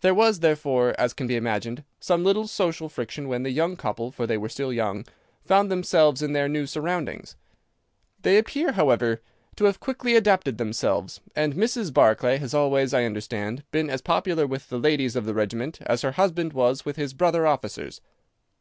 There was, therefore, as can be imagined, some little social friction when the young couple (for they were still young) found themselves in their new surroundings. They appear, however, to have quickly adapted themselves, and Mrs. Barclay has always, I understand, been as popular with the ladies of the regiment as her husband was with his brother officers.